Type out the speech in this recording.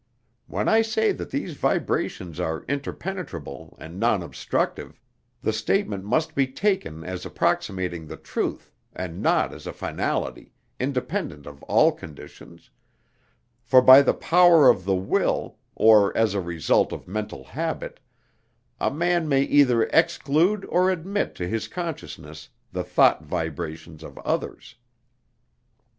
When I say that these vibrations are interpenetrable and non obstructive, the statement must be taken as approximating the truth, and not as a finality, independent of all conditions; for by the power of the will, or as a result of mental habit, a man may either exclude or admit to his consciousness the thought vibrations of others.